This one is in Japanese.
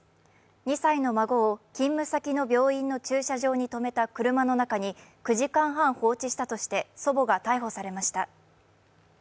２歳の孫を勤務先の病院の駐車場に止めた車の中に９時間半放置したとして祖母が逮捕されました。